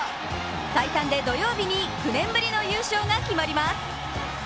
最短で土曜日に９年ぶりの優勝が決まります。